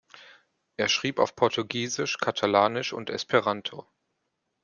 Er schrieb auf Portugiesisch, Katalanisch und Esperanto.